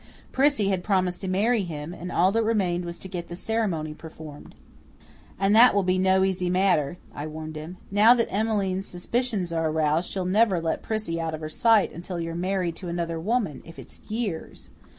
Prissy had promised to marry him, and all that remained was to get the ceremony performed. "And that will be no easy matter," I warned him. "Now that Emmeline's suspicions are aroused she'll never let Prissy out of her sight until you're married to another woman, if it's years.